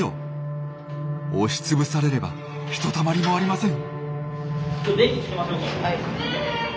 押し潰されればひとたまりもありません！